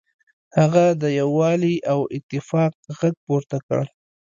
هغه د یووالي او اتفاق غږ پورته کړ.